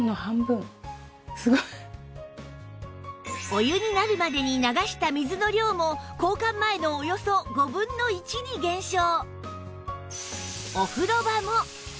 お湯になるまでに流した水の量も交換前のおよそ５分の１に減少